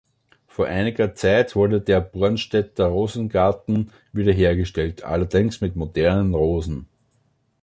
Vor einiger Zeit wurde der Bornstedter Rosengarten wiederhergestellt, allerdings mit modernen Rosen.